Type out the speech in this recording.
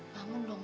bangun dong mas